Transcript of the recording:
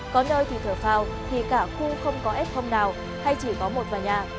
có nơi thì thở phào thì cả khu không có f nào hay chỉ có một vài nhà